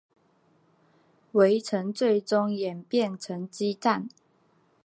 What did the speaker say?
围城最终演变成激战。